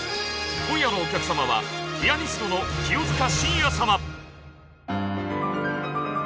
今夜のお客様はピアニストの清塚信也様。